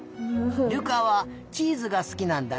瑠珂はチーズがすきなんだね。